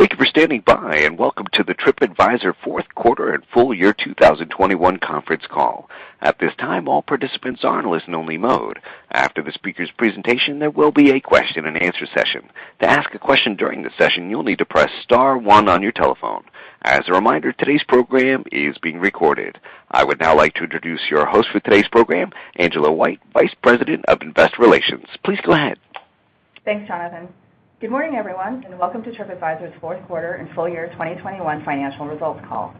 Thank you for standing by, and welcome to the TripAdvisor fourth quarter and full year 2021 conference call. At this time, all participants are in listen only mode. After the speaker's presentation, there will be a question and answer session. To ask a question during the session, you'll need to press star one on your telephone. As a reminder, today's program is being recorded. I would now like to introduce your host for today's program, Angela White, Vice President of Investor Relations. Please go ahead. Thanks, Jonathan. Good morning, everyone, and welcome to TripAdvisor's fourth quarter and full year 2021 financial results call.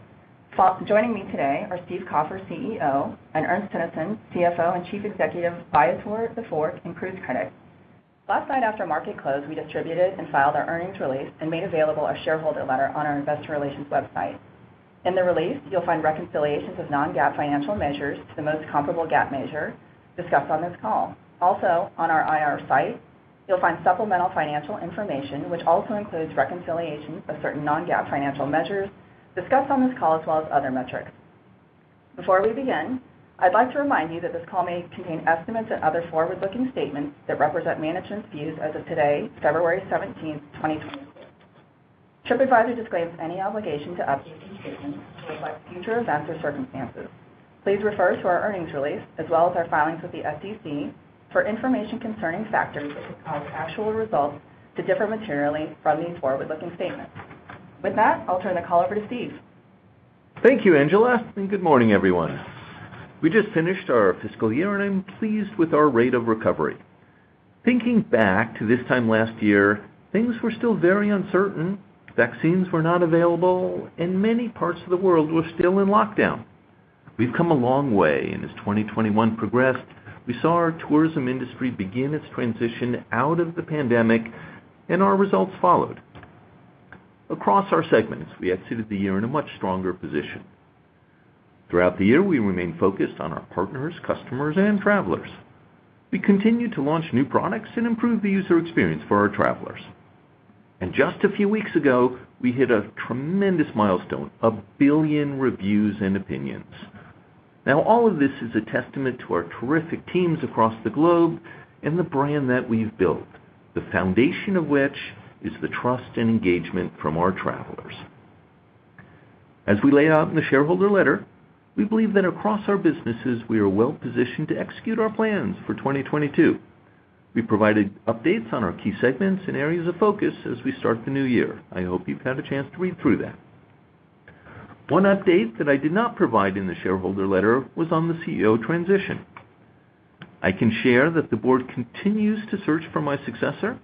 Joining me today are Stephen Kaufer, CEO, and Ernst Teunissen, CFO and Chief Executive, Viator, TheFork, and Cruise Critic. Last night after market close, we distributed and filed our earnings release and made available a shareholder letter on our investor relations website. In the release, you'll find reconciliations of non-GAAP financial measures to the most comparable GAAP measure discussed on this call. Also, on our IR site, you'll find supplemental financial information which also includes reconciliations of certain non-GAAP financial measures discussed on this call, as well as other metrics. Before we begin, I'd like to remind you that this call may contain estimates and other forward-looking statements that represent management's views as of today, February 17th, 2022. Tripadvisor disclaims any obligation to update these statements to reflect future events or circumstances. Please refer to our earnings release, as well as our filings with the SEC for information concerning factors that could cause actual results to differ materially from these forward-looking statements. With that, I'll turn the call over to Steve. Thank you, Angela, and good morning, everyone. We just finished our fiscal year, and I'm pleased with our rate of recovery. Thinking back to this time last year, things were still very uncertain, vaccines were not available, and many parts of the world were still in lockdown. We've come a long way, and as 2021 progressed, we saw our tourism industry begin its transition out of the pandemic, and our results followed. Across our segments, we exited the year in a much stronger position. Throughout the year, we remained focused on our partners, customers, and travelers. We continued to launch new products and improve the user experience for our travelers. Just a few weeks ago, we hit a tremendous milestone, 1 billion reviews and opinions. Now, all of this is a testament to our terrific teams across the globe and the brand that we've built, the foundation of which is the trust and engagement from our travelers. As we laid out in the shareholder letter, we believe that across our businesses we are well-positioned to execute our plans for 2022. We provided updates on our key segments and areas of focus as we start the new year. I hope you've had a chance to read through that. One update that I did not provide in the shareholder letter was on the CEO transition. I can share that the board continues to search for my successor,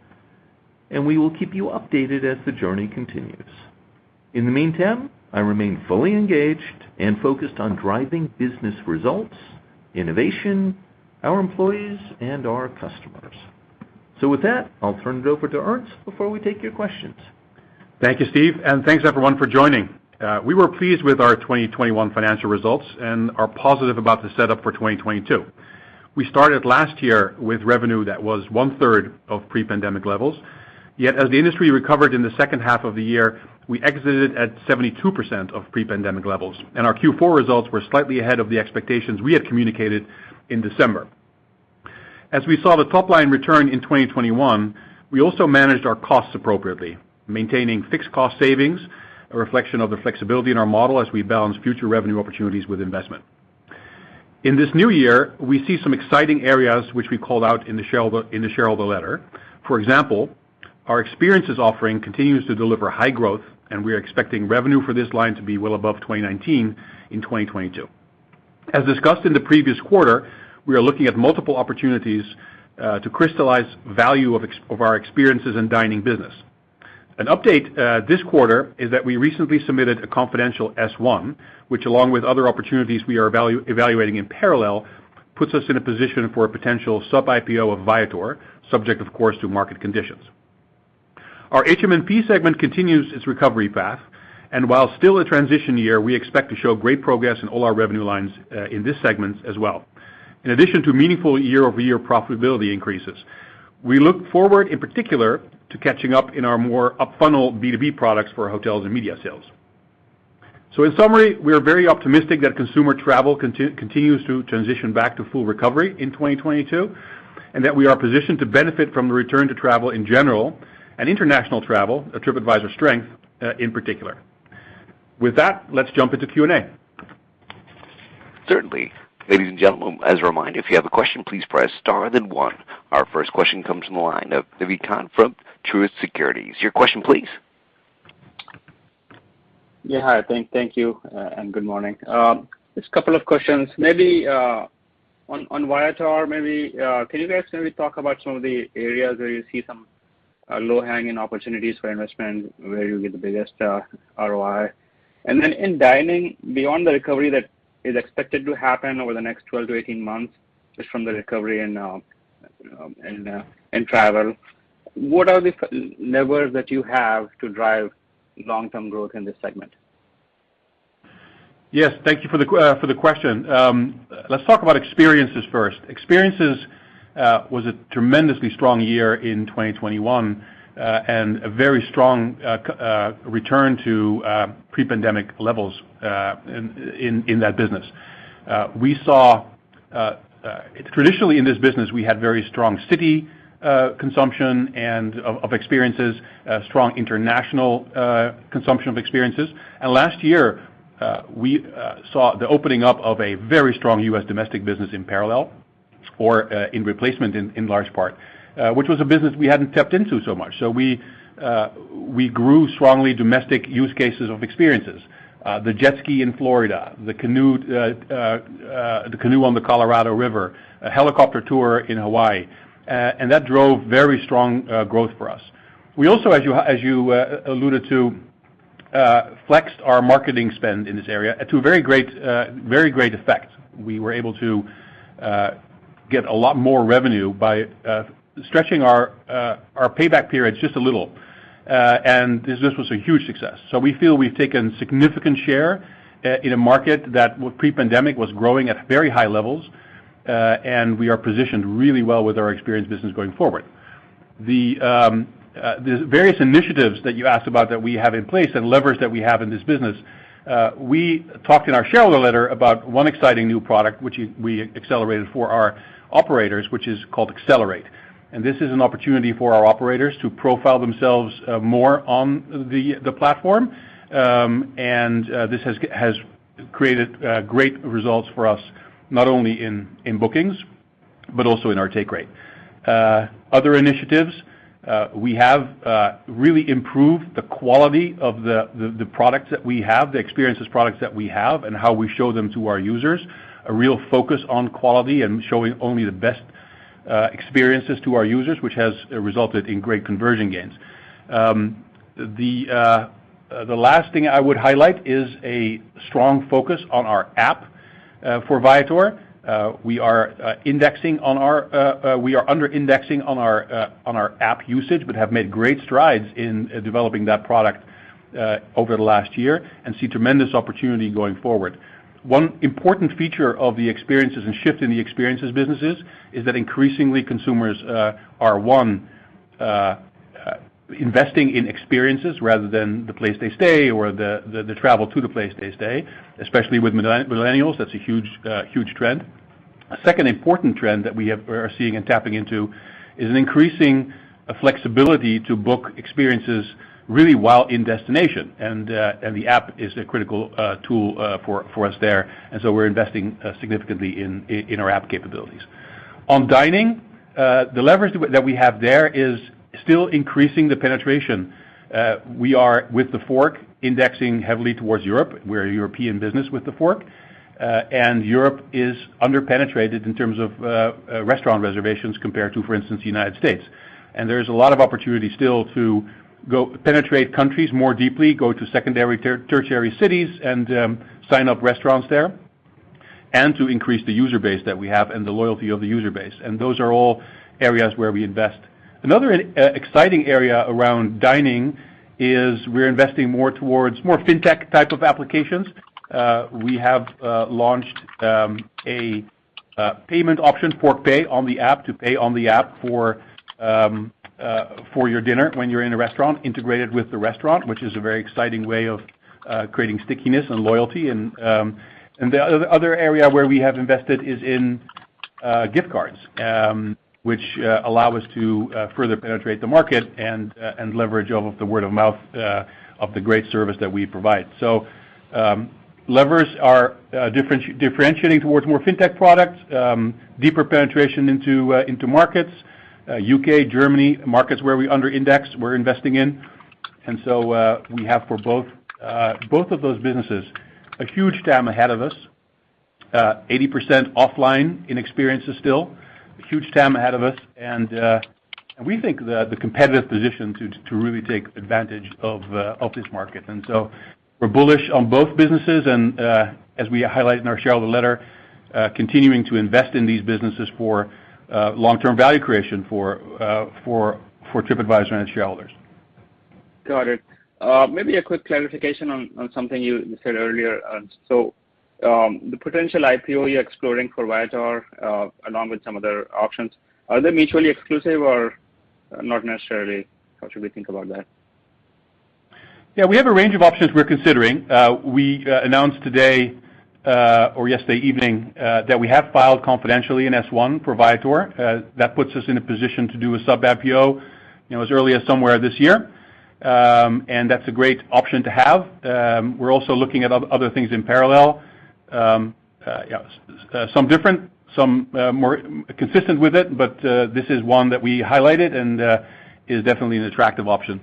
and we will keep you updated as the journey continues. In the meantime, I remain fully engaged and focused on driving business results, innovation, our employees, and our customers. With that, I'll turn it over to Ernst before we take your questions. Thank you, Steve, and thanks everyone for joining. We were pleased with our 2021 financial results and are positive about the setup for 2022. We started last year with revenue that was one-third of pre-pandemic levels. Yet as the industry recovered in the second half of the year, we exited at 72% of pre-pandemic levels, and our Q4 results were slightly ahead of the expectations we had communicated in December. As we saw the top line return in 2021, we also managed our costs appropriately, maintaining fixed cost savings, a reflection of the flexibility in our model as we balance future revenue opportunities with investment. In this new year, we see some exciting areas which we called out in the shareholder letter. For example, our experiences offering continues to deliver high growth, and we're expecting revenue for this line to be well above 2019 in 2022. As discussed in the previous quarter, we are looking at multiple opportunities to crystallize value of our experiences and dining business. An update this quarter is that we recently submitted a confidential S-1, which along with other opportunities we are evaluating in parallel, puts us in a position for a potential sub-IPO of Viator, subject of course to market conditions. Our HM&P segment continues its recovery path, and while still a transition year, we expect to show great progress in all our revenue lines in this segment as well. In addition to meaningful year-over-year profitability increases, we look forward in particular to catching up in our more up-funnel B2B products for hotels and media sales. In summary, we are very optimistic that consumer travel continues to transition back to full recovery in 2022, and that we are positioned to benefit from the return to travel in general and international travel, a TripAdvisor strength, in particular. With that, let's jump into Q&A. Certainly. Ladies and gentlemen, as a reminder, if you have a question, please press star then one. Our first question comes from the line of Naved Khan from Truist Securities. Your question please. Yeah. Hi. Thank you and good morning. Just a couple of questions. Maybe on Viator, maybe can you guys maybe talk about some of the areas where you see some low-hanging opportunities for investment, where you'll get the biggest ROI? In dining, beyond the recovery that is expected to happen over the next 12-18 months, just from the recovery in travel, what are the levers that you have to drive long-term growth in this segment? Yes, thank you for the question. Let's talk about experiences first. Experiences was a tremendously strong year in 2021 and a very strong return to pre-pandemic levels in that business. We saw traditionally in this business we had very strong city consumption of experiences, strong international consumption of experiences. Last year we saw the opening up of a very strong U.S. domestic business in parallel or in replacement in large part which was a business we hadn't tapped into so much. We grew strongly domestic use cases of experiences. The jet ski in Florida, the canoe on the Colorado River, a helicopter tour in Hawaii. That drove very strong growth for us. We also, as you alluded to, flexed our marketing spend in this area to a very great effect. We were able to get a lot more revenue by stretching our payback periods just a little. This was a huge success. We feel we've taken significant share in a market that pre-pandemic was growing at very high levels, and we are positioned really well with our experience business going forward. The various initiatives that you asked about that we have in place and levers that we have in this business, we talked in our shareholder letter about one exciting new product, which we accelerated for our operators, which is called Accelerate. This is an opportunity for our operators to profile themselves more on the platform. This has created great results for us, not only in bookings, but also in our take rate. Other initiatives, we have really improved the quality of the experiences products that we have and how we show them to our users. A real focus on quality and showing only the best experiences to our users, which has resulted in great conversion gains. The last thing I would highlight is a strong focus on our app for Viator. We are under indexing on our app usage, but have made great strides in developing that product over the last year and see tremendous opportunity going forward. One important feature of the experiences and shift in the experiences businesses is that increasingly consumers are investing in experiences rather than the place they stay or the travel to the place they stay, especially with millennials, that's a huge trend. A second important trend that we are seeing and tapping into is an increasing flexibility to book experiences really while in destination. The app is a critical tool for us there. We're investing significantly in our app capabilities. On dining, the leverage that we have there is still increasing the penetration. We are with TheFork indexing heavily towards Europe. We're a European business with TheFork, and Europe is underpenetrated in terms of restaurant reservations compared to, for instance, the United States. There's a lot of opportunity still to go penetrate countries more deeply, go to secondary, tertiary cities and sign up restaurants there, and to increase the user base that we have and the loyalty of the user base. Those are all areas where we invest. Another exciting area around dining is we're investing more towards more fintech type of applications. We have launched a payment option, TheFork Pay, on the app to pay on the app for your dinner when you're in a restaurant integrated with the restaurant, which is a very exciting way of creating stickiness and loyalty. The other area where we have invested is in gift cards, which allow us to further penetrate the market and leverage the word-of-mouth of the great service that we provide. Levers are differentiating towards more fintech products, deeper penetration into markets, U.K., Germany, markets where we under index, we're investing in. We have for both of those businesses, a huge TAM ahead of us, 80% offline in experiences still, a huge TAM ahead of us. We think the competitive position to really take advantage of this market. We're bullish on both businesses, and as we highlight in our shareholder letter, continuing to invest in these businesses for long-term value creation for TripAdvisor and its shareholders. Got it. Maybe a quick clarification on something you said earlier. The potential IPO you're exploring for Viator, along with some other options, are they mutually exclusive or not necessarily? How should we think about that? Yeah, we have a range of options we're considering. We announced today or yesterday evening that we have filed confidentially an S-1 for Viator. That puts us in a position to do a sub-IPO, you know, as early as somewhere this year. And that's a great option to have. We're also looking at other things in parallel. Yeah, some different, some more consistent with it, but this is one that we highlighted and is definitely an attractive option.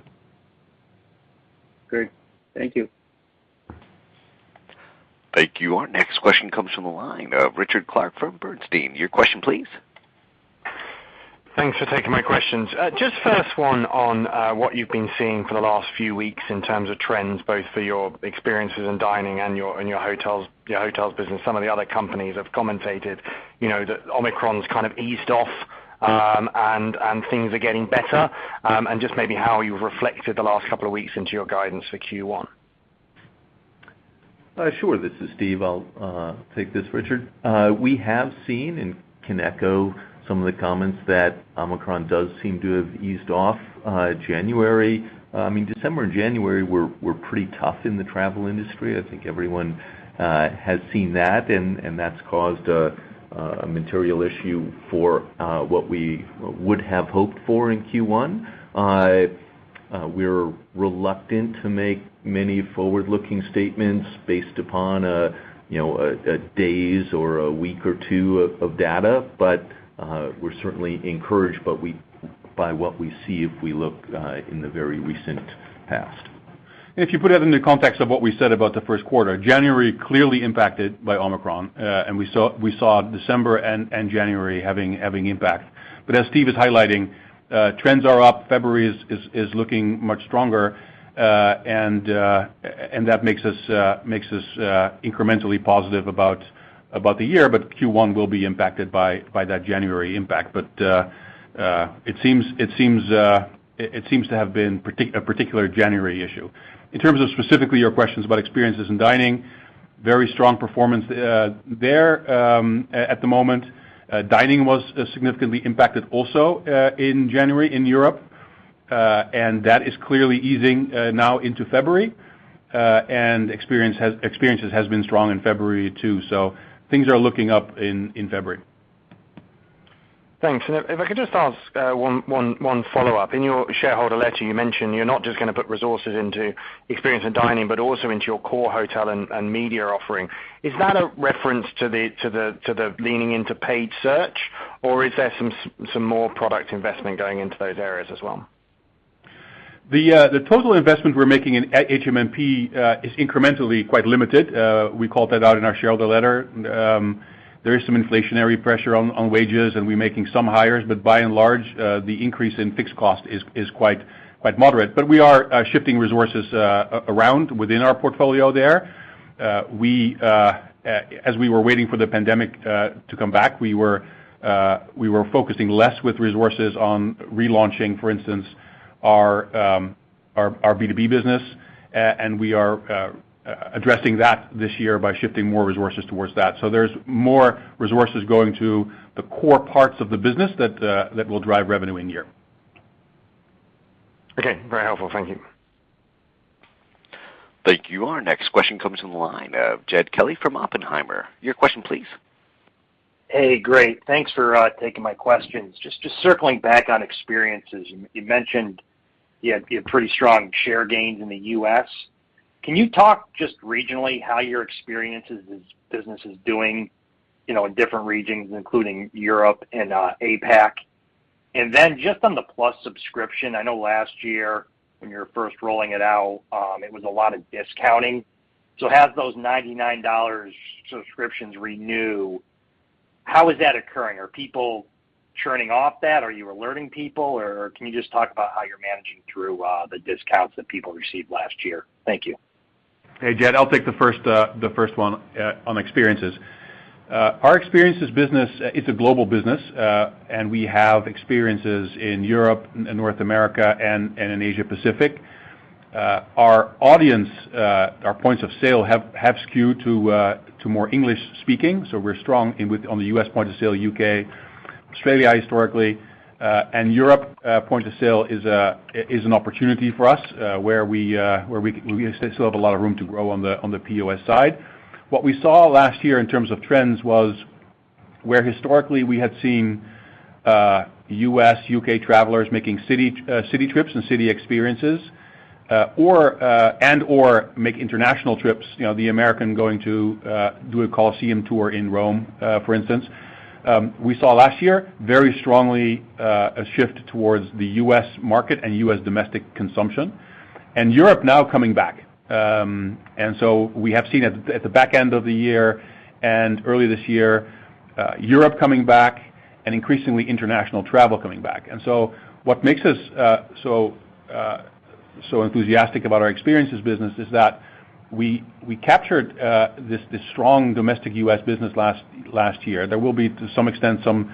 Great. Thank you. Thank you. Our next question comes from the line of Richard Clarke from Bernstein. Your question, please. Thanks for taking my questions. Just first one on what you've been seeing for the last few weeks in terms of trends, both for your experiences and dining and your hotels business. Some of the other companies have commented that Omicron's kind of eased off, and things are getting better, and just maybe how you've reflected the last couple of weeks into your guidance for Q1. Sure. This is Steve. I'll take this, Richard. We have seen and can echo some of the comments that Omicron does seem to have eased off in January. I mean, December and January were pretty tough in the travel industry. I think everyone has seen that, and that's caused a material issue for what we would have hoped for in Q1. We're reluctant to make many forward-looking statements based upon you know, a few days or a week or two of data. We're certainly encouraged by what we see if we look in the very recent past. If you put that into context of what we said about the first quarter, January clearly impacted by Omicron. We saw December and January having impact. But as Steve is highlighting, trends are up. February is looking much stronger. And that makes us incrementally positive about the year. But Q1 will be impacted by that January impact. But it seems to have been a particular January issue. In terms of specifically your questions about experiences and dining, very strong performance there at the moment. Dining was significantly impacted also in January in Europe, and that is clearly easing now into February. And experiences has been strong in February too. Things are looking up in February. Thanks. If I could just ask one follow-up. In your shareholder letter, you mentioned you're not just gonna put resources into Experiences and Dining, but also into your core hotel and media offering. Is that a reference to the leaning into paid search, or is there some more product investment going into those areas as well? The total investment we're making in at HM&P is incrementally quite limited. We called that out in our shareholder letter. There is some inflationary pressure on wages, and we're making some hires, but by and large, the increase in fixed cost is quite moderate. We are shifting resources around within our portfolio there. We, as we were waiting for the pandemic to come back, we were focusing less with resources on relaunching, for instance, our B2B business, and we are addressing that this year by shifting more resources towards that. There's more resources going to the core parts of the business that will drive revenue in here. Okay, very helpful. Thank you. Thank you. Our next question comes from the line, Jed Kelly from Oppenheimer. Your question, please. Hey, great. Thanks for taking my questions. Just circling back on experiences. You mentioned you had pretty strong share gains in the U.S. Can you talk just regionally how your experiences business is doing, you know, in different regions, including Europe and APAC? Then just on the Plus subscription, I know last year when you were first rolling it out, it was a lot of discounting. So as those $99 subscriptions renew, how is that occurring? Are people churning off that? Are you alerting people, or can you just talk about how you're managing through the discounts that people received last year? Thank you. Hey, Jed, I'll take the first one on experiences. Our experiences business, it's a global business, and we have experiences in Europe and North America and in Asia Pacific. Our audience, our points of sale have skewed to more English speaking, so we're strong on the U.S. point of sale, U.K., Australia historically. Europe point of sale is an opportunity for us, where we still have a lot of room to grow on the POS side. What we saw last year in terms of trends was where historically we had seen, U.S., U.K. travelers making city trips and city experiences, or and/or make international trips, you know, the American going to do a Colosseum tour in Rome, for instance. We saw last year very strongly a shift towards the U.S. market and U.S. domestic consumption, and Europe now coming back. We have seen at the back end of the year and early this year, Europe coming back and increasingly international travel coming back. What makes us so enthusiastic about our experiences business is that we captured this strong domestic U.S. business last year. There will be, to some extent, some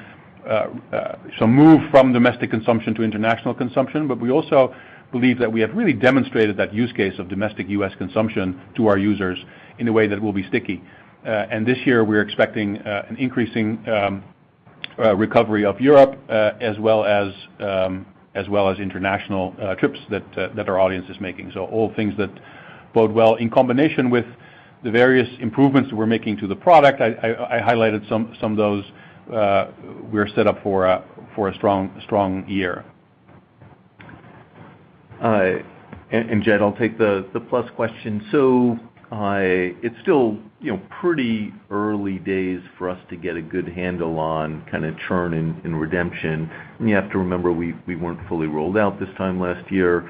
move from domestic consumption to international consumption. We also believe that we have really demonstrated that use case of domestic U.S. consumption to our users in a way that will be sticky. This year, we're expecting an increasing recovery of Europe as well as international trips that our audience is making. All things that bode well. In combination with the various improvements we're making to the product, I highlighted some of those, we're set up for a strong year. Jed, I'll take the Plus question. It's still, you know, pretty early days for us to get a good handle on kind of churn and redemption. You have to remember, we weren't fully rolled out this time last year,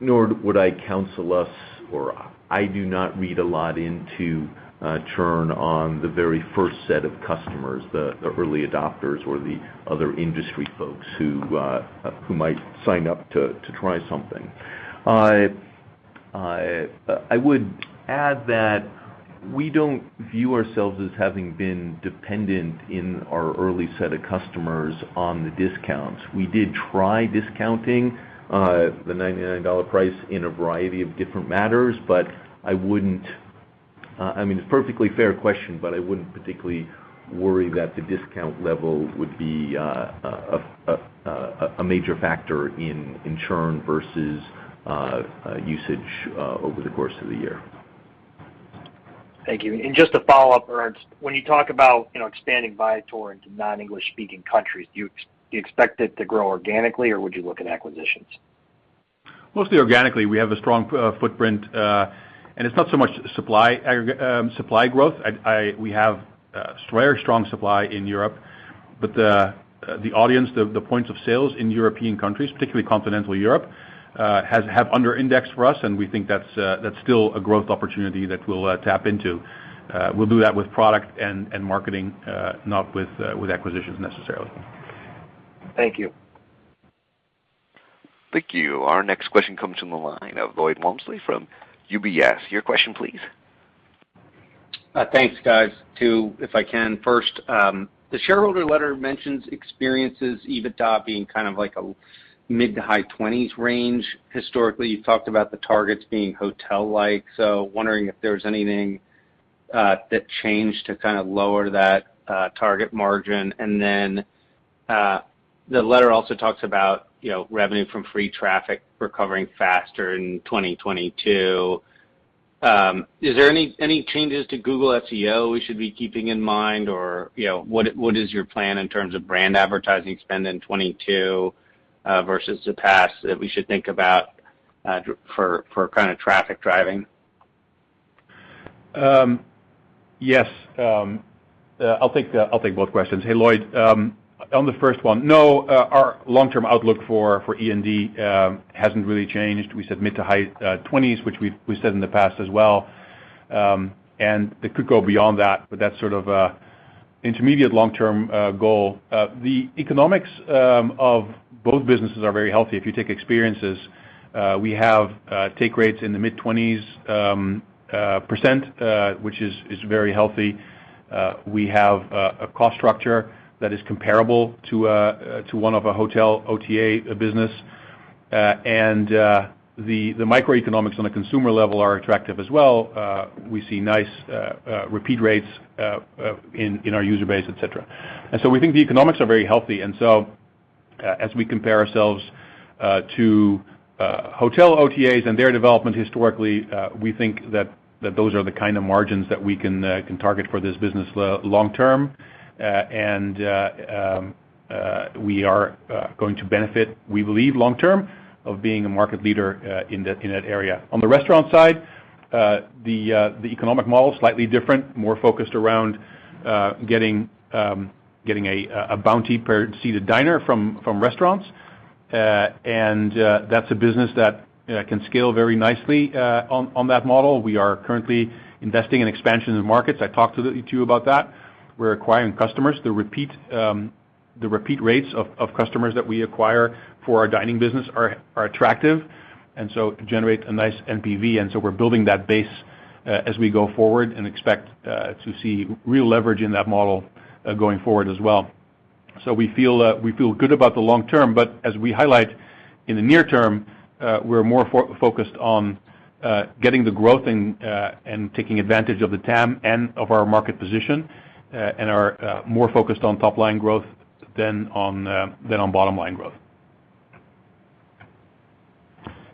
nor would I counsel us, or I do not read a lot into churn on the very first set of customers, the early adopters or the other industry folks who might sign up to try something. I would add that we don't view ourselves as having been dependent in our early set of customers on the discounts. We did try discounting the $99 price in a variety of different matters, but I wouldn't. I mean, it's a perfectly fair question, but I wouldn't particularly worry that the discount level would be a major factor in churn versus usage over the course of the year. Thank you. Just a follow-up, Ernst. When you talk about, you know, expanding Viator into non-English speaking countries, do you expect it to grow organically, or would you look at acquisitions? Mostly organically. We have a strong footprint. It's not so much supply growth. We have very strong supply in Europe. The audience, the points of sales in European countries, particularly continental Europe, have under indexed for us, and we think that's still a growth opportunity that we'll tap into. We'll do that with product and marketing, not with acquisitions necessarily. Thank you. Thank you. Our next question comes from the line of Lloyd Walmsley from UBS. Your question, please. Thanks, guys. Two, if I can, first, the shareholder letter mentions experiences EBITDA being kind of like a mid- to high-20s range. Historically, you've talked about the targets being hotel-like. Wondering if there's anything that changed to kind of lower that target margin. Then, the letter also talks about, you know, revenue from free traffic recovering faster in 2022. Is there any changes to Google SEO we should be keeping in mind? Or, you know, what is your plan in terms of brand advertising spend in 2022 versus the past that we should think about for kind of traffic driving? I'll take both questions. Hey, Lloyd. On the first one, no, our long-term outlook for E&D hasn't really changed. We said mid- to high-20s, which we've said in the past as well. It could go beyond that, but that's sort of intermediate long-term goal. The economics of both businesses are very healthy. If you take experiences, we have take rates in the mid-20s%, which is very healthy. We have a cost structure that is comparable to one of a hotel OTA business. The microeconomics on the consumer level are attractive as well. We see nice repeat rates in our user base, et cetera. We think the economics are very healthy. As we compare ourselves to hotel OTAs and their development historically, we think that those are the kind of margins that we can target for this business long-term. We are going to benefit, we believe, long term from being a market leader in that area. On the restaurant side, the economic model is slightly different, more focused around getting a bounty per seated diner from restaurants. That's a business that can scale very nicely on that model. We are currently investing in expansion in markets. I talked to you about that. We're acquiring customers. The repeat rates of customers that we acquire for our dining business are attractive, and so generate a nice NPV. We're building that base as we go forward and expect to see real leverage in that model going forward as well. We feel good about the long term, but as we highlight in the near term, we're more focused on getting the growth and taking advantage of the TAM and of our market position, and are more focused on top line growth than on bottom line growth.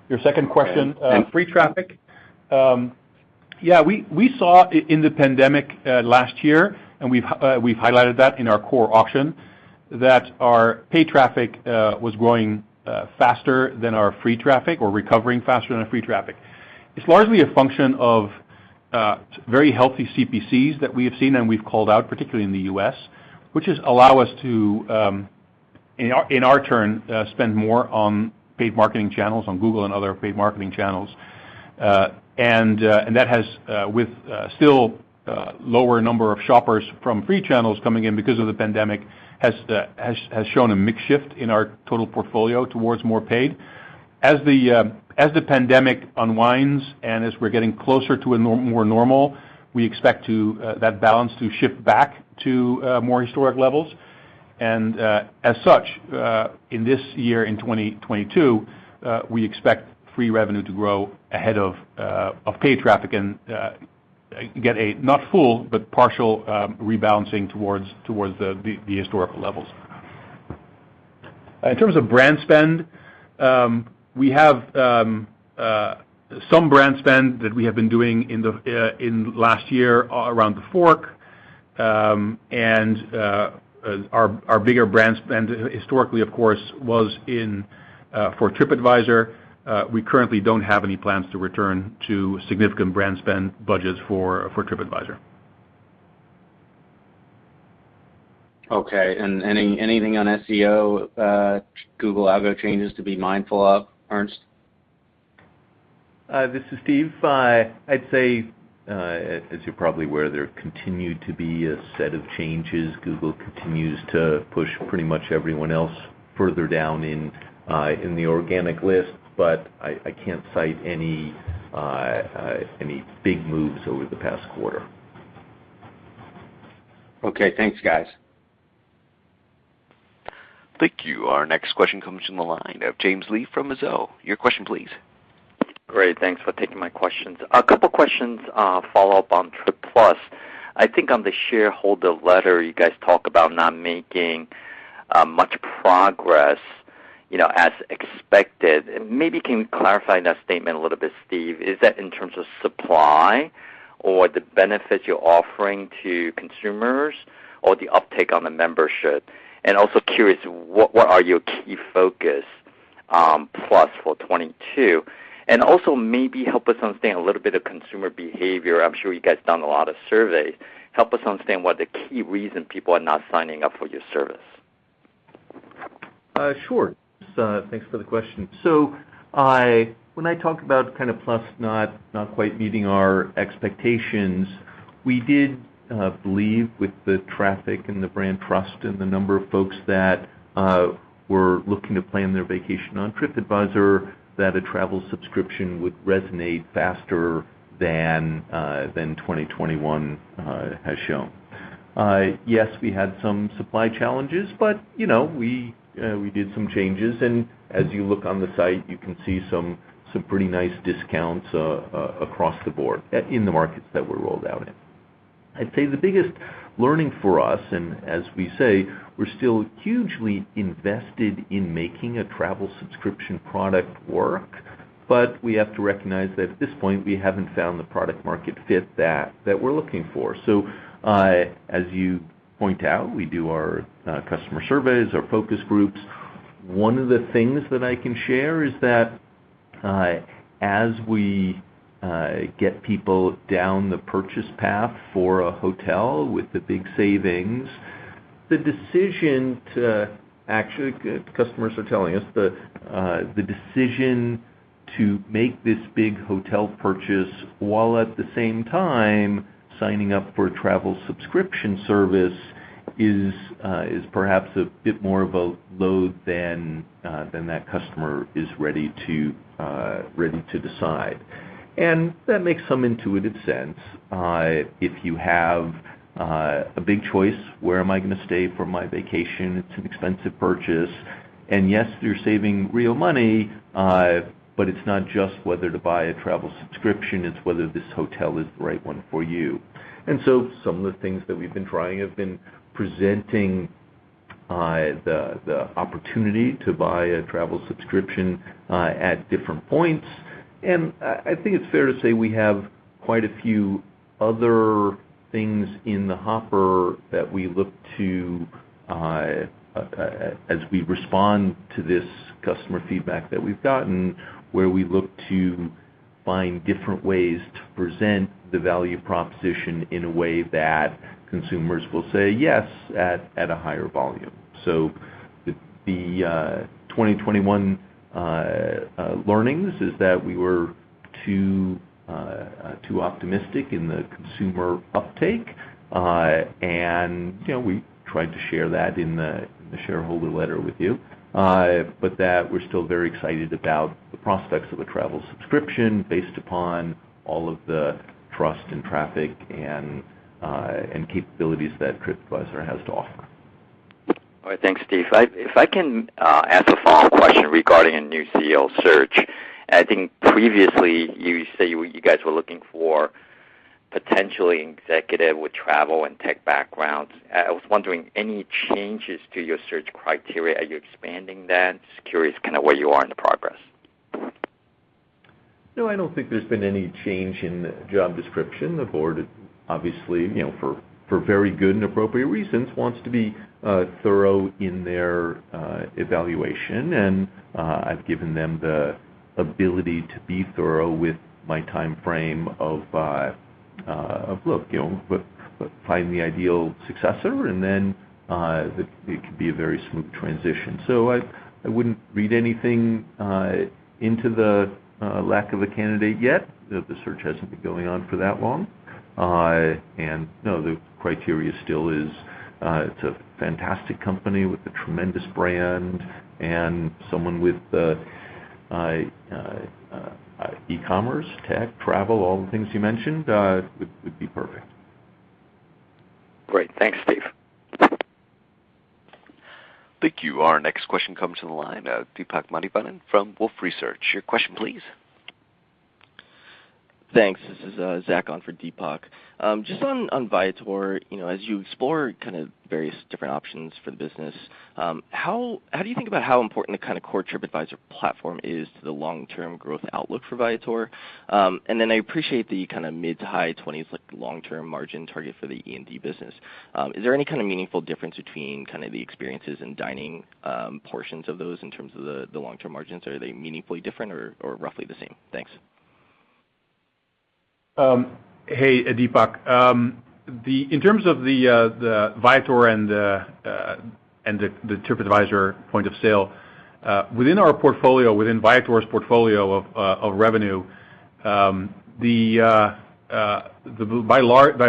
Your second question, free traffic. Yeah, we saw in the pandemic last year, and we've highlighted that in our core auction that our paid traffic was growing faster than our free traffic or recovering faster than our free traffic. It's largely a function of very healthy CPCs that we have seen and we've called out, particularly in the U.S., which has allowed us to, in our turn, spend more on paid marketing channels, on Google and other paid marketing channels. That has, with still lower number of shoppers from free channels coming in because of the pandemic, shown a mix shift in our total portfolio towards more paid. As the pandemic unwinds and as we're getting closer to a more normal, we expect that balance to shift back to more historic levels. As such, in this year, in 2022, we expect free revenue to grow ahead of paid traffic and get a not full, but partial rebalancing towards the historical levels. In terms of brand spend, we have some brand spend that we have been doing in last year around TheFork. Our bigger brand spend historically, of course, was in for TripAdvisor. We currently don't have any plans to return to significant brand spend budgets for TripAdvisor. Okay. Anything on SEO, Google algo changes to be mindful of, Ernst? This is Steve. I'd say, as you're probably aware, there continued to be a set of changes. Google continues to push pretty much everyone else further down in the organic list, but I can't cite any big moves over the past quarter. Okay, thanks guys. Thank you. Our next question comes from the line of James Lee from Mizuho. Your question please. Great. Thanks for taking my questions. A couple questions, follow up on Tripadvisor Plus. I think on the shareholder letter, you guys talk about not making much progress, you know, as expected. Maybe can you clarify that statement a little bit, Steve. Is that in terms of supply or the benefits you're offering to consumers or the uptake on the membership? And also curious, what are your key focus, Plus for 2022? And also maybe help us understand a little bit of consumer behavior. I'm sure you guys done a lot of surveys. Help us understand what the key reason people are not signing up for your service. Sure. Thanks for the question. When I talk about kind of Plus not quite meeting our expectations, we did believe with the traffic and the brand trust and the number of folks that were looking to plan their vacation on Tripadvisor, that a travel subscription would resonate faster than 2021 has shown. Yes, we had some supply challenges, but you know, we did some changes. As you look on the site, you can see some pretty nice discounts across the board in the markets that we're rolled out in. I'd say the biggest learning for us, and as we say, we're still hugely invested in making a travel subscription product work, but we have to recognize that at this point, we haven't found the product market fit that we're looking for. As you point out, we do our customer surveys, our focus groups. One of the things that I can share is that, as we get people down the purchase path for a hotel with the big savings, customers are telling us the decision to make this big hotel purchase while at the same time signing up for a travel subscription service is perhaps a bit more of a load than that customer is ready to decide. That makes some intuitive sense, if you have a big choice, where am I gonna stay for my vacation? It's an expensive purchase. Yes, you're saving real money, but it's not just whether to buy a travel subscription, it's whether this hotel is the right one for you. Some of the things that we've been trying have been presenting the opportunity to buy a travel subscription at different points. I think it's fair to say we have quite a few other things in the hopper that we look to as we respond to this customer feedback that we've gotten, where we look to find different ways to present the value proposition in a way that consumers will say yes at a higher volume. The 2021 learnings is that we were too optimistic in the consumer uptake. You know, we tried to share that in the shareholder letter with you, but that we're still very excited about the prospects of a travel subscription based upon all of the trust and traffic and capabilities that TripAdvisor has to offer. All right. Thanks, Steve. If I can ask a follow-up question regarding a new CEO search. I think previously you said you guys were looking for potentially executive with travel and tech backgrounds. I was wondering any changes to your search criteria? Are you expanding that? Just curious kinda where you are in the process. No, I don't think there's been any change in job description. The board, obviously, you know, for very good and appropriate reasons, wants to be thorough in their evaluation, and I've given them the ability to be thorough with my timeframe to look, you know, for the ideal successor, and then it could be a very smooth transition. I wouldn't read anything into the lack of a candidate yet, the search hasn't been going on for that long. No, the criteria still is, it's a fantastic company with a tremendous brand and someone with e-commerce, tech, travel, all the things you mentioned, would be perfect. Great. Thanks, Steve. Thank you. Our next question comes from the line of Deepak Mathivanan from Wolfe Research. Your question please. Thanks. This is Zach on for Deepak. Just on Viator, you know, as you explore kind of various different options for the business, how do you think about how important the kind of core Tripadvisor platform is to the long-term growth outlook for Viator? And then I appreciate the kind of mid-20s% to high 20s%, like, long-term margin target for the E&D business. Is there any kind of meaningful difference between kind of the experiences and dining portions of those in terms of the long-term margins? Are they meaningfully different or roughly the same? Thanks. Hey, Deepak. In terms of the Viator and the Tripadvisor point of sale, within our portfolio, within Viator's portfolio of revenue, by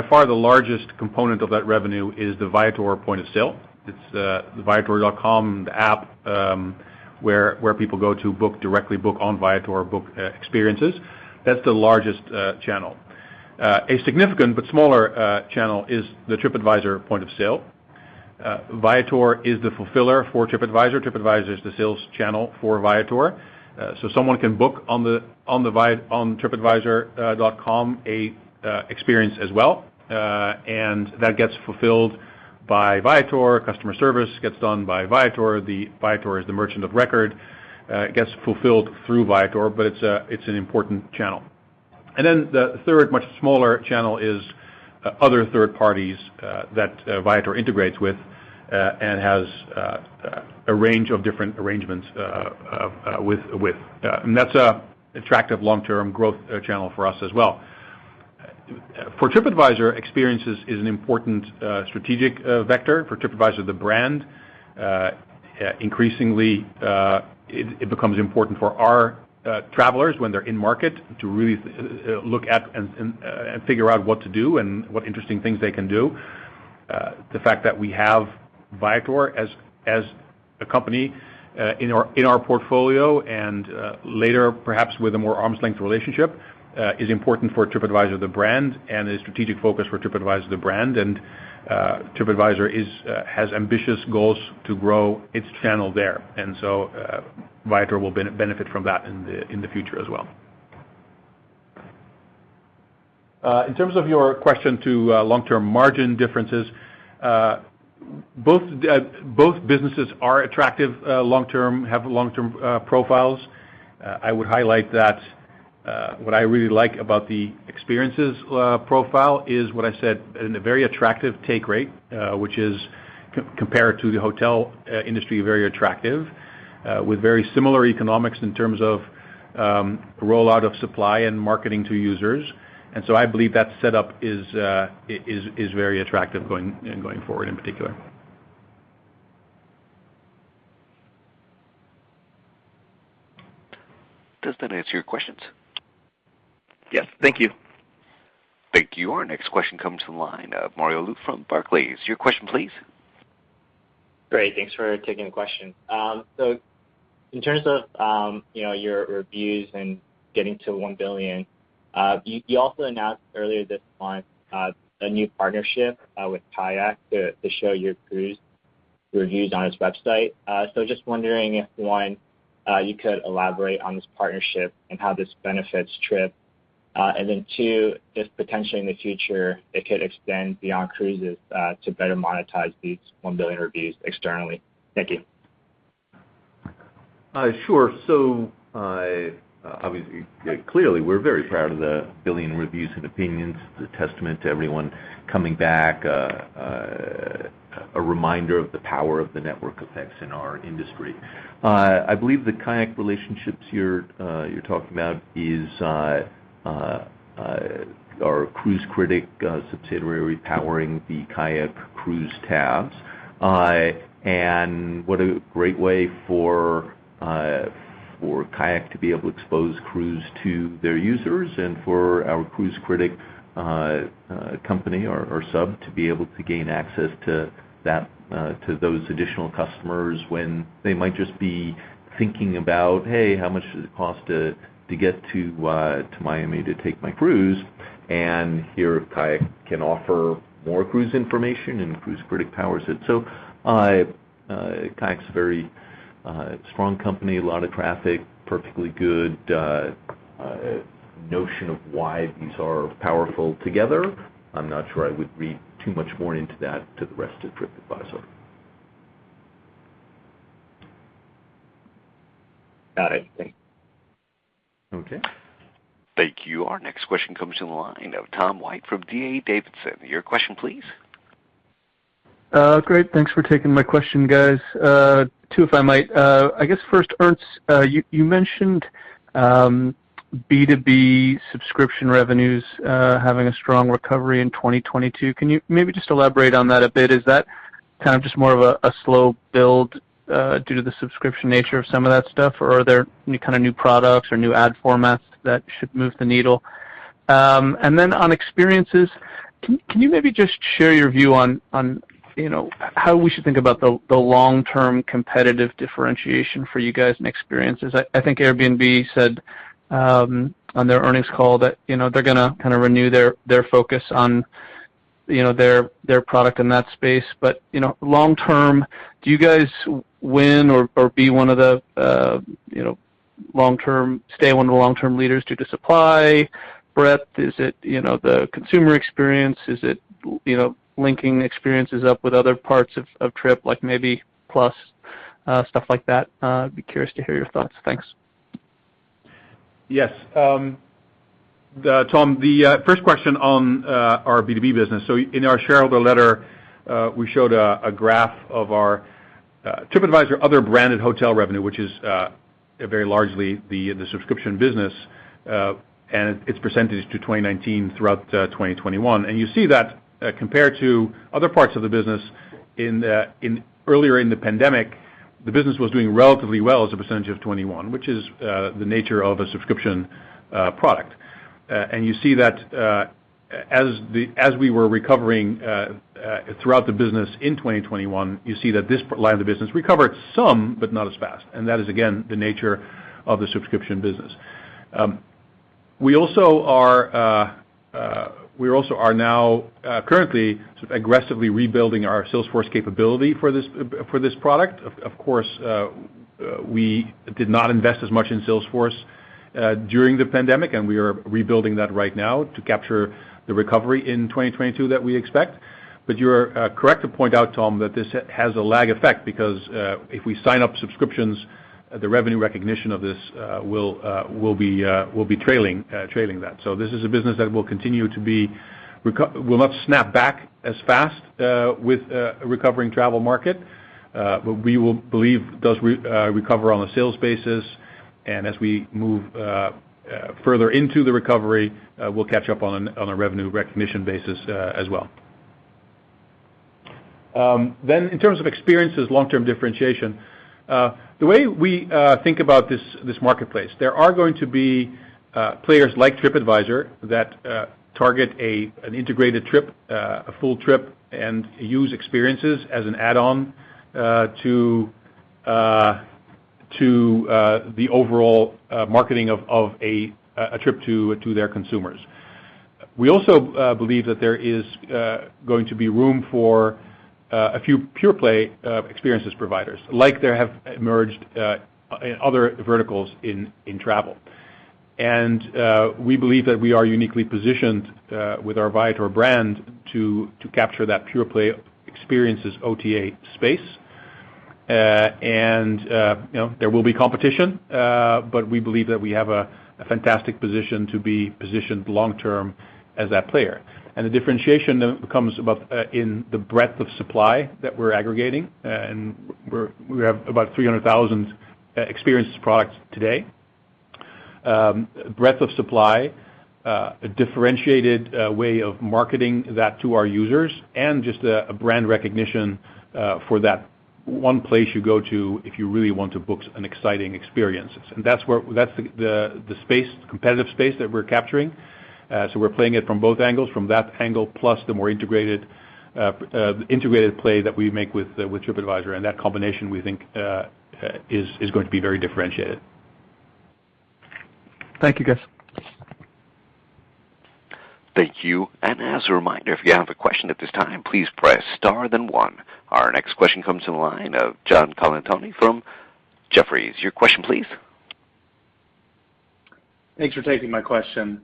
far the largest component of that revenue is the Viator point of sale. It's the viator.com, the app, where people go to book directly, book on Viator, book experiences. That's the largest channel. A significant but smaller channel is the Tripadvisor point of sale. Viator is the fulfiller for Tripadvisor. Tripadvisor is the sales channel for Viator. Someone can book on tripadvisor.com experience as well, and that gets fulfilled by Viator, customer service gets done by Viator. The Viator is the merchant of record, gets fulfilled through Viator, but it's an important channel. The third much smaller channel is other third parties that Viator integrates with and has a range of different arrangements with. That's an attractive long-term growth channel for us as well. For Tripadvisor, Experiences is an important strategic vector for Tripadvisor, the brand. Increasingly, it becomes important for our travelers when they're in market to really to look at and figure out what to do and what interesting things they can do. The fact that we have Viator as a company in our portfolio and later, perhaps with a more arm's-length relationship, is important for Tripadvisor, the brand and the strategic focus for Tripadvisor, the brand. Tripadvisor has ambitious goals to grow its channel there. Viator will benefit from that in the future as well. In terms of your question to long-term margin differences, both businesses are attractive long term, have long-term profiles. I would highlight that what I really like about the experiences profile is what I said in a very attractive take rate, which is compared to the hotel industry very attractive with very similar economics in terms of rollout of supply and marketing to users. I believe that setup is very attractive going forward in particular. Does that answer your questions? Yes. Thank you. Thank you. Our next question comes from the line of Mario Lu from Barclays. Your question, please. Great. Thanks for taking the question. In terms of, you know, your reviews and getting to 1 billion, you also announced earlier this month, a new partnership, with KAYAK to show your cruise reviews on its website. Just wondering if, one, you could elaborate on this partnership and how this benefits Trip. Then two, if potentially in the future it could extend beyond cruises, to better monetize these one billion reviews externally. Thank you. Sure. Obviously, clearly, we're very proud of the 1 billion reviews and opinions. It's a testament to everyone coming back, a reminder of the power of the network effects in our industry. I believe the KAYAK relationships you're talking about is our Cruise Critic subsidiary powering the KAYAK cruise tabs. What a great way for KAYAK to be able to expose cruise to their users and for our Cruise Critic company or sub to be able to gain access to that, to those additional customers when they might just be thinking about, "Hey, how much does it cost to get to Miami to take my cruise?" Here, KAYAK can offer more cruise information, and Cruise Critic powers it. KAYAK's a very strong company, a lot of traffic, perfectly good notion of why these are powerful together. I'm not sure I would read too much more into that to the rest of TripAdvisor. Got it. Thank you. Okay. Thank you. Our next question comes from the line of Tom White from D.A. Davidson. Your question, please. Great. Thanks for taking my question, guys. Too, if I might. I guess first, Ernst, you mentioned B2B subscription revenues having a strong recovery in 2022. Can you maybe just elaborate on that a bit? Is that kind of just more of a slow build due to the subscription nature of some of that stuff, or are there any kind of new products or new ad formats that should move the needle? And then on experiences, can you maybe just share your view on you know, how we should think about the long-term competitive differentiation for you guys in experiences? I think Airbnb said on their earnings call that you know, they're gonna kinda renew their focus on you know, their product in that space. You know, long term, do you guys win or be one of the, you know, stay one of the long-term leaders due to supply breadth? Is it, you know, the consumer experience? Is it, you know, linking experiences up with other parts of Trip, like maybe Plus, stuff like that? Be curious to hear your thoughts. Thanks. Yes. Tom, the first question on our B2B business. In our shareholder letter, we showed a graph of our Tripadvisor other branded hotel revenue, which is very largely the subscription business, and its percentage to 2019 throughout 2021. You see that, compared to other parts of the business earlier in the pandemic, the business was doing relatively well as a percentage of 2019, which is the nature of a subscription product. You see that, as we were recovering throughout the business in 2021, you see that this line of the business recovered some, but not as fast. That is again the nature of the subscription business. We also are now currently aggressively rebuilding our sales force capability for this product. Of course, we did not invest as much in sales force during the pandemic, and we are rebuilding that right now to capture the recovery in 2022 that we expect. You're correct to point out, Tom, that this has a lag effect because if we sign up subscriptions, the revenue recognition of this will be trailing that. This is a business that will continue to not snap back as fast with a recovering travel market. We will believe it does recover on a sales basis. As we move further into the recovery, we'll catch up on a revenue recognition basis as well. In terms of experiences long-term differentiation, the way we think about this marketplace, there are going to be players like Tripadvisor that target an integrated trip, a full trip and use experiences as an add-on to the overall marketing of a trip to their consumers. We also believe that there is going to be room for a few pure play experiences providers like there have emerged other verticals in travel. We believe that we are uniquely positioned with our Viator brand to capture that pure play experiences OTA space. You know, there will be competition, but we believe that we have a fantastic position to be positioned long-term as that player. The differentiation then becomes about in the breadth of supply that we're aggregating, and we have about 300,000 experiences products today. Breadth of supply, a differentiated way of marketing that to our users and just a brand recognition for that one place you go to if you really want to book an exciting experience. That's the competitive space that we're capturing. We're playing it from both angles, from that angle plus the more integrated play that we make with Tripadvisor. That combination, we think, is going to be very differentiated. Thank you, guys. Thank you. As a reminder, if you have a question at this time, please press star then one. Our next question comes in the line of John Colantuoni from Jefferies. Your question, please. Thanks for taking my question.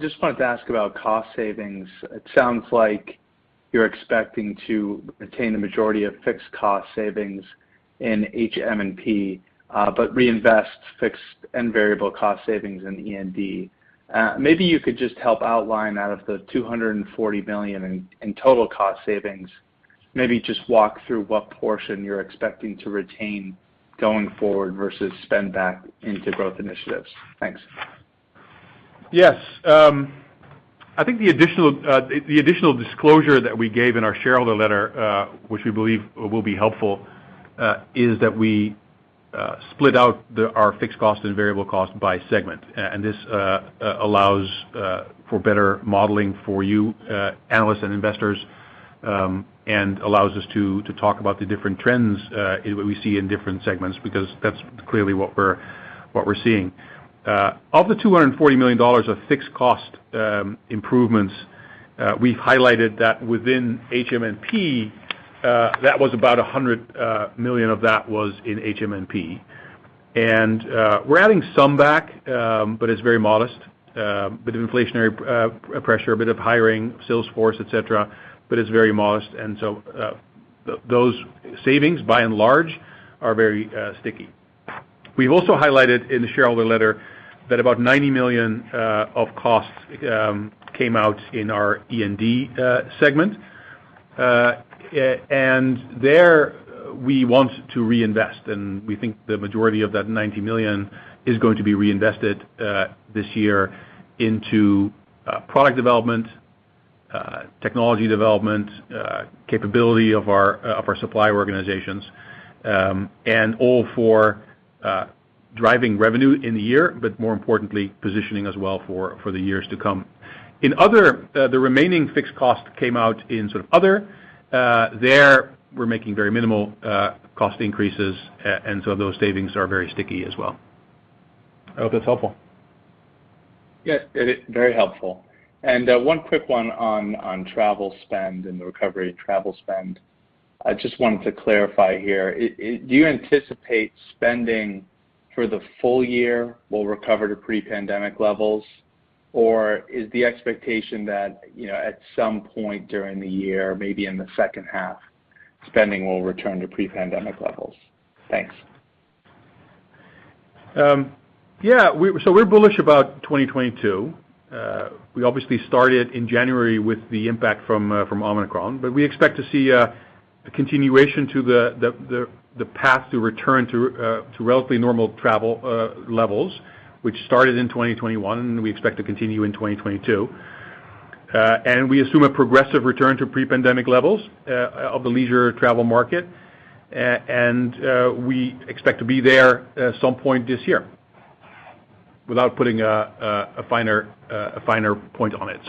Just wanted to ask about cost savings. It sounds like you're expecting to retain the majority of fixed cost savings in HM&P, but reinvest fixed and variable cost savings in E&D. Maybe you could just help outline out of the $240 million in total cost savings, maybe just walk through what portion you're expecting to retain going forward versus spend back into growth initiatives. Thanks. Yes. I think the additional disclosure that we gave in our shareholder letter, which we believe will be helpful, is that we split out our fixed cost and variable cost by segment. This allows for better modeling for you analysts and investors, and allows us to talk about the different trends we see in different segments because that's clearly what we're seeing. Of the $240 million of fixed cost improvements, we highlighted that within HM&P, that was about $100 million of that was in HM&P. We're adding some back, but it's very modest bit of inflationary pressure, a bit of hiring, sales force, et cetera, but it's very modest. Those savings, by and large, are very sticky. We've also highlighted in the shareholder letter that about $90 million of costs came out in our E&D segment. There we want to reinvest, and we think the majority of that $90 million is going to be reinvested this year into product development, technology development, capability of our supply organizations, and all for driving revenue in the year, but more importantly, positioning as well for the years to come. In other, the remaining fixed cost came out in sort of other. There we're making very minimal cost increases, and so those savings are very sticky as well. I hope that's helpful. Yeah, it is very helpful. One quick one on travel spend and the recovery travel spend. I just wanted to clarify here, do you anticipate spending for the full year will recover to pre-pandemic levels? Or is the expectation that, you know, at some point during the year, maybe in the second half, spending will return to pre-pandemic levels? Thanks. We're bullish about 2022. We obviously started in January with the impact from Omicron, but we expect to see a continuation to the path to return to relatively normal travel levels, which started in 2021, and we expect to continue in 2022. We assume a progressive return to pre-pandemic levels of the leisure travel market. We expect to be there at some point this year without putting a finer point on it.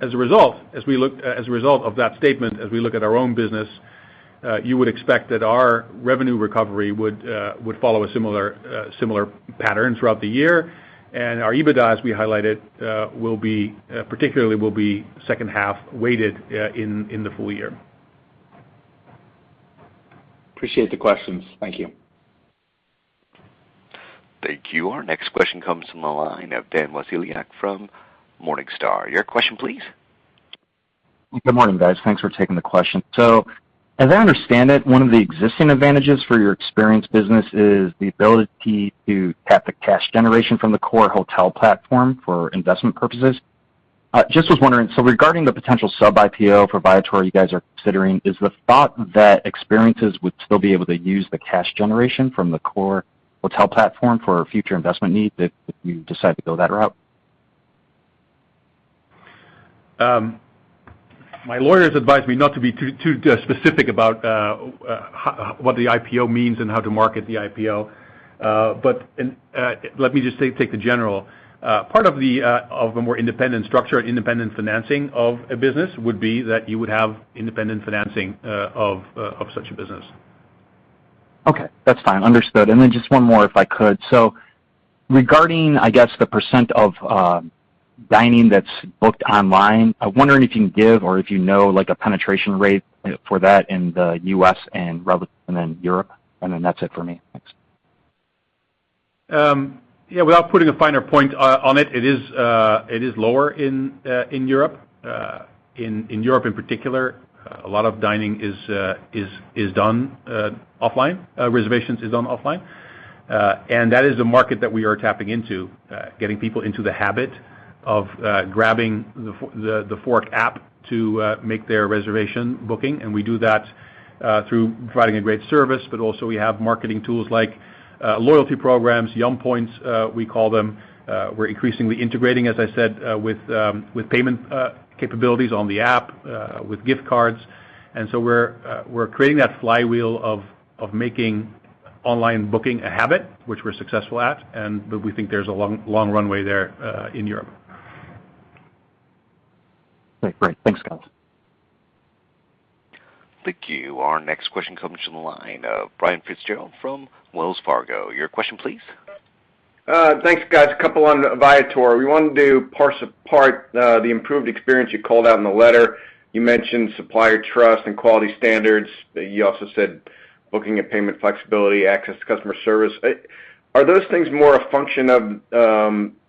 As a result of that statement, as we look at our own business, you would expect that our revenue recovery would follow a similar pattern throughout the year. Our EBITDA, as we highlighted, will be particularly second half-weighted in the full year. Appreciate the questions. Thank you. Thank you. Our next question comes from the line of Dan Wasiolek from Morningstar. Your question please. Good morning, guys. Thanks for taking the question. As I understand it, one of the existing advantages for your experience business is the ability to tap the cash generation from the core hotel platform for investment purposes. I just was wondering, so regarding the potential sub-IPO for Viator you guys are considering, is the thought that experiences would still be able to use the cash generation from the core hotel platform for future investment needs if you decide to go that route? My lawyers advise me not to be too specific about what the IPO means and how to market the IPO. Let me just take the general part of the more independent structure. Independent financing of a business would be that you would have independent financing of such a business. Okay, that's fine. Understood. Just one more, if I could. Regarding, I guess, the % of dining that's booked online, I'm wondering if you can give or if you know, like, a penetration rate for that in the U.S. and rather than in Europe, and then that's it for me. Thanks. Yeah, without putting a finer point on it is lower in Europe. In Europe in particular, a lot of dining is done offline. Reservations is done offline. That is a market that we are tapping into, getting people into the habit of grabbing the TheFork app to make their reservation booking. We do that through providing a great service, but also we have marketing tools like loyalty programs, Yums, we call them. We're increasingly integrating, as I said, with payment capabilities on the app, with gift cards. We're creating that flywheel of making online booking a habit, which we're successful at, and we think there's a long runway there in Europe. Great. Thanks, guys. Thank you. Our next question comes from the line of Brian Fitzgerald from Wells Fargo. Your question please. Thanks, guys. A couple on Viator. We want to parse apart the improved experience you called out in the letter. You mentioned supplier trust and quality standards. You also said booking and payment flexibility, access to customer service. Are those things more a function of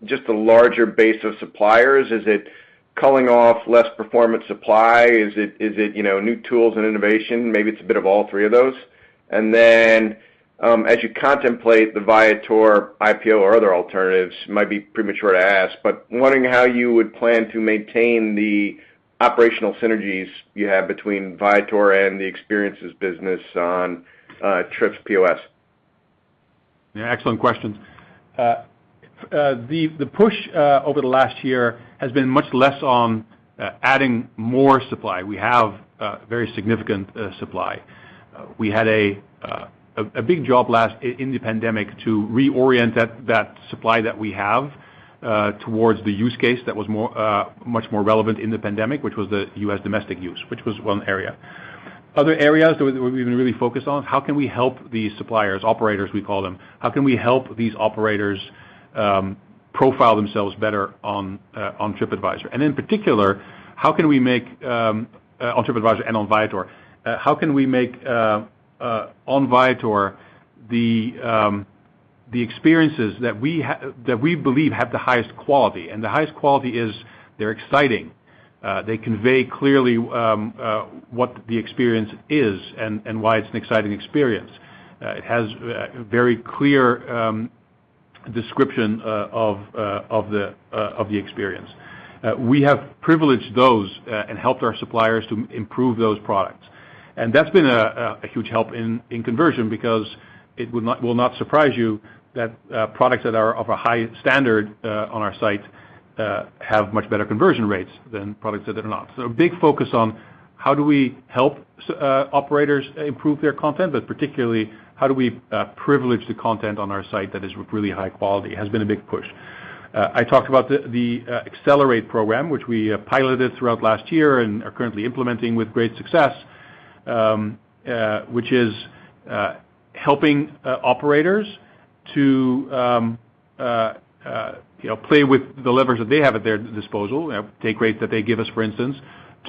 just a larger base of suppliers? Is it culling off less performance supply? Is it, you know, new tools and innovation? Maybe it's a bit of all three of those. As you contemplate the Viator IPO or other alternatives, it might be premature to ask, but wondering how you would plan to maintain the operational synergies you have between Viator and the experiences business on Trip's POS. Yeah, excellent questions. The push over the last year has been much less on adding more supply. We have very significant supply. We had a big job in the pandemic to reorient that supply that we have towards the use case that was much more relevant in the pandemic, which was the U.S. domestic use, which was one area. Other areas that we've been really focused on, how can we help these suppliers, operators we call them, how can we help these operators profile themselves better on TripAdvisor? In particular, how can we make on TripAdvisor and on Viator, how can we make on Viator the experiences that we believe have the highest quality? The highest quality is they're exciting. They convey clearly what the experience is and why it's an exciting experience. It has a very clear description of the experience. We have privileged those and helped our suppliers to improve those products. That's been a huge help in conversion because it will not surprise you that products that are of a high standard on our site have much better conversion rates than products that are not. A big focus on how we help operators improve their content, but particularly how we privilege the content on our site that is really high quality, has been a big push. I talked about the Accelerate program, which we piloted throughout last year and are currently implementing with great success, which is helping operators to, you know, play with the levers that they have at their disposal, take rates that they give us, for instance,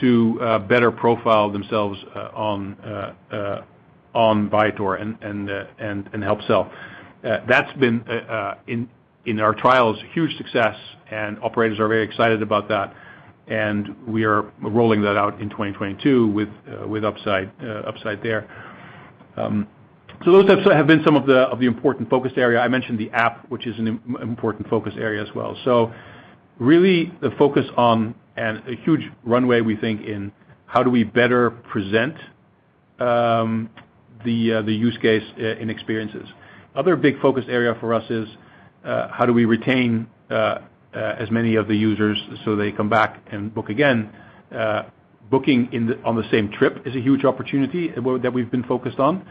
to better profile themselves on Viator and help sell. That's been in our trials huge success, and operators are very excited about that, and we are rolling that out in 2022 with upside there. Those have been some of the important focus area. I mentioned the app, which is an important focus area as well. Really the focus on and a huge runway we think in how do we better present the use case in experiences. Other big focus area for us is how do we retain as many of the users so they come back and book again. Booking on the same trip is a huge opportunity that we've been focused on.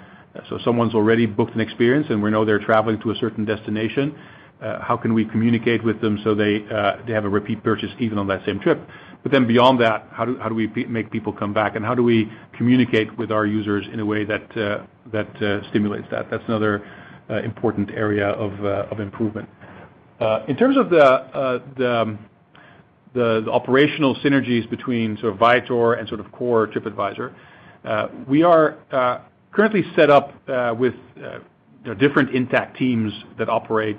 Someone's already booked an experience, and we know they're traveling to a certain destination, how can we communicate with them so they have a repeat purchase even on that same trip? Then beyond that, how do we make people come back, and how do we communicate with our users in a way that stimulates that? That's another important area of improvement. In terms of the operational synergies between sort of Viator and sort of core Tripadvisor, we are currently set up with different intact teams that operate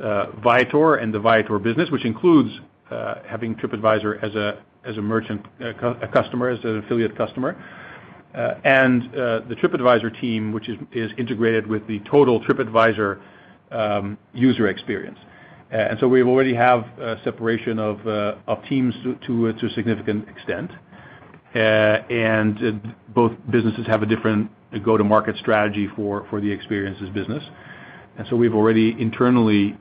Viator and the Viator business, which includes having Tripadvisor as a merchant customer, as an affiliate customer, and the Tripadvisor team, which is integrated with the total Tripadvisor user experience. We already have a separation of teams to a significant extent. Both businesses have a different go-to-market strategy for the experiences business. We've already internally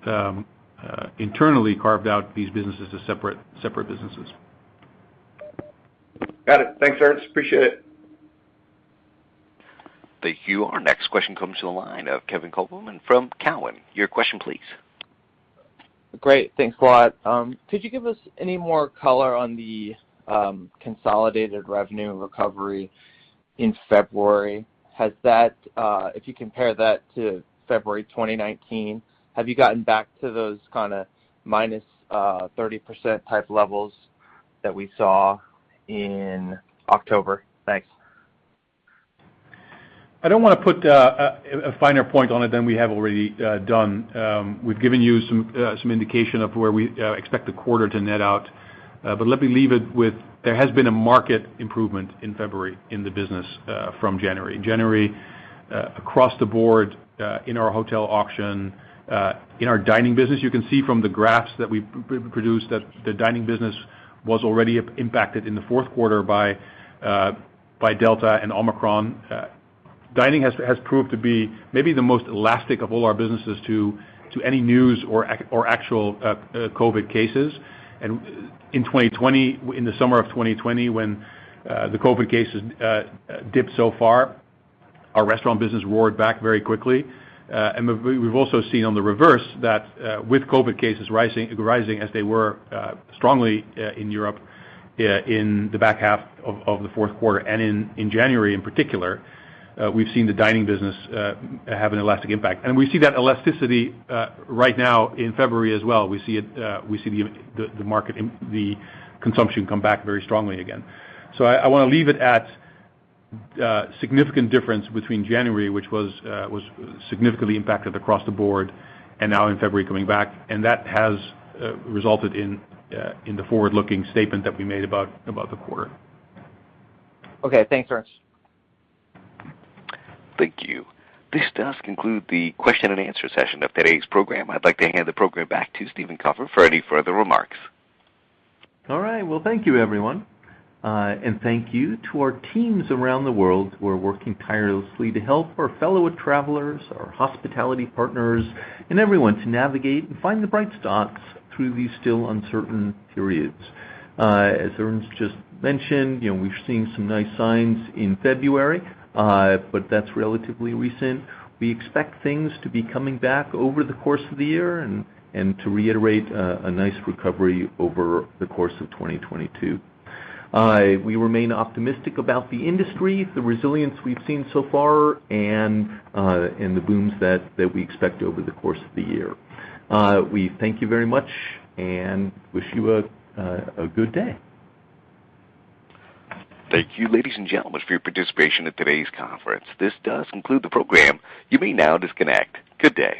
carved out these businesses as separate businesses. Got it. Thanks, Ernst. Appreciate it. Thank you. Our next question comes to the line of Kevin Kopelman from Cowen. Your question please. Great. Thanks a lot. Could you give us any more color on the consolidated revenue recovery in February? Has that, if you compare that to February 2019, have you gotten back to those kinda minus 30% type levels that we saw in October? Thanks. I don't wanna put a finer point on it than we have already done. We've given you some indication of where we expect the quarter to net out. Let me leave it with there has been a market improvement in February in the business from January across the board in our hotel auction in our dining business. You can see from the graphs that we've produced that the dining business was already impacted in the fourth quarter by Delta and Omicron. Dining has proved to be maybe the most elastic of all our businesses to any news or actual COVID cases. In the summer of 2020 when the COVID cases dipped so far, our restaurant business roared back very quickly. We've also seen on the reverse that with COVID cases rising as they were strongly in Europe in the back half of the fourth quarter and in January in particular, we've seen the dining business have an elastic impact. We see that elasticity right now in February as well. We see it, we see the market, the consumption come back very strongly again. I wanna leave it at significant difference between January, which was significantly impacted across the board, and now in February coming back, and that has resulted in the forward-looking statement that we made about the quarter. Okay, thanks, Ernst. Thank you. This does conclude the question and answer session of today's program. I'd like to hand the program back to Stephen Kaufer for any further remarks. All right. Well, thank you everyone. Thank you to our teams around the world who are working tirelessly to help our fellow travelers, our hospitality partners, and everyone to navigate and find the bright spots through these still uncertain periods. As Ernst just mentioned, you know, we've seen some nice signs in February, but that's relatively recent. We expect things to be coming back over the course of the year and to reiterate a nice recovery over the course of 2022. We remain optimistic about the industry, the resilience we've seen so far, and the booms that we expect over the course of the year. We thank you very much and wish you a good day. Thank you, ladies and gentlemen, for your participation in today's conference. This does conclude the program. You may now disconnect. Good day.